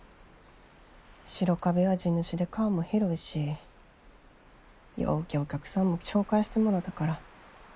白壁は地主で顔も広いしようけお客さんも紹介してもろたから。